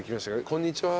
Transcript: こんにちは。